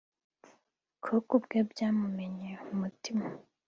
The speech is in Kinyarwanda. ko ku bwe byamumennye umutima